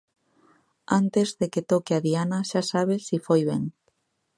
Antes de que toque a diana xa sabe si foi ben.